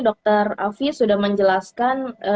dokter afi sudah menjelaskan